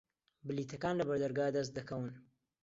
بلیتەکان لە بەردەرگا دەست دەکەون.